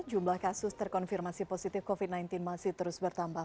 jumlah kasus terkonfirmasi positif covid sembilan belas masih terus bertambah